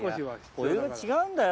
お湯が違うんだよ。